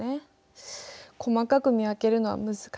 細かく見分けるのは難しそうね。